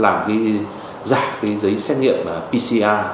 làm cái giả cái giấy xét nghiệm pcr